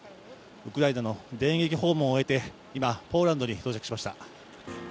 ウクライナの電撃訪問を終えて今、ポーランドに到着しました。